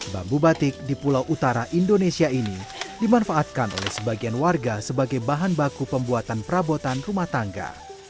bambu batik di pulau utara indonesia ini dimanfaatkan oleh sebagian warga sebagai bahan baku pembuatan perabotan rumah tangga